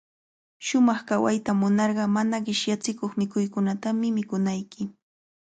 Shumaq kawayta munarqa, mana qishyachikuq mikuykunatami mikunayki.